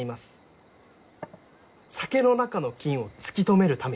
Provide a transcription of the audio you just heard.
酒の中の菌を突き止めるために。